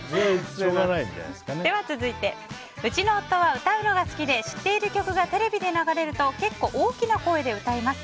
続いて、うちの夫は歌うのが好きで知っている曲がテレビで流れると結構、大きな声で歌います。